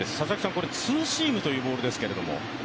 これ、ツーシームというボールですけれども。